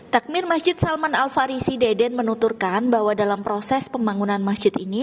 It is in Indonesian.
takmir masjid salman al farisi deden menuturkan bahwa dalam proses pembangunan masjid ini